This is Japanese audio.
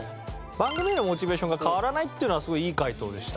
番組へのモチベーションが変わらないっていうのはすごいいい回答でした。